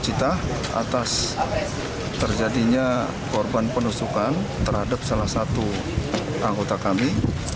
saya berterima kasih atas terjadinya korban penusukan terhadap salah satu anggota kami